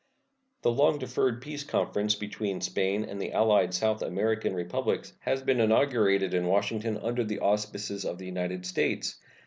The long deferred peace conference between Spain and the allied South American Republics has been inaugurated in Washington under the auspices of the United States.